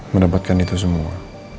menerbatkan itu semua